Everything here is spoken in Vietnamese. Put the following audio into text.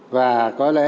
và có lẽ